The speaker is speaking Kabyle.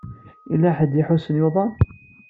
Yella ḥedd i iḥussen yuḍen?